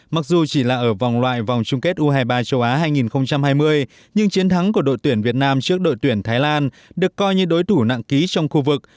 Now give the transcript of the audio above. mặc dù chỉ là ở vòng loại vòng chung kết u hai mươi ba châu á hai nghìn hai mươi nhưng chiến thắng của đội tuyển việt nam trước đội tuyển thái lan được coi như đối thủ nặng ký trong khu vực